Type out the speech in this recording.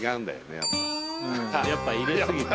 やっぱ入れすぎた。